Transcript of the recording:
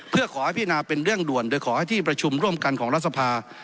เพื่อขอให้พินาเป็นเรื่องด่วนโดยขอให้ที่ประชุมร่วมกันของรัฐสภา